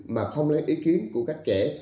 mà không lấy ý kiến của các trẻ